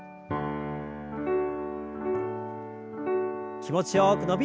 気持ちよく伸びをして。